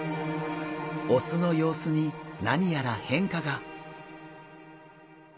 オスの様子に何やら変化が！？